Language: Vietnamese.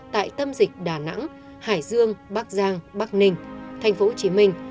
tại tâm dịch đà nẵng hải dương bắc giang bắc ninh thành phố hồ chí minh